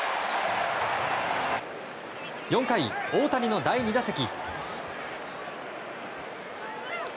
４回、大谷の第２打席。